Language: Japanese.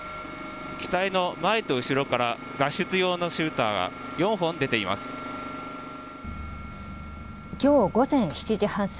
機体の前と後ろから脱出用のシューターが４本出ています。